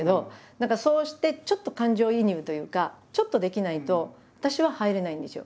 何かそうしてちょっと感情移入というかちょっとできないと私は入れないんですよ。